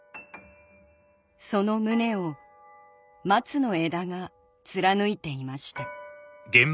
その胸を松の枝が貫いていました